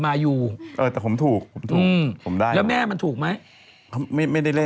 มายูเออแต่ผมถูกผมถูกอืมผมได้แล้วแม่มันถูกไหมเขาไม่ไม่ได้เล่น